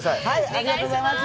ありがとうございます